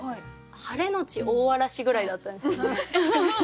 晴れのち大嵐ぐらいだったんですよね。